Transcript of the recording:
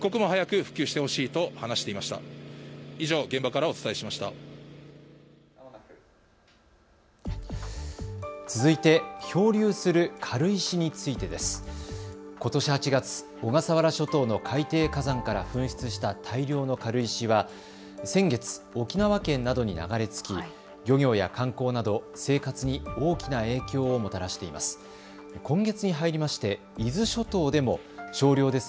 ことし８月、小笠原諸島の海底火山から噴出した大量の軽石は先月、沖縄県などに流れ着き漁業や観光など生活に大きな影響をもたらしています。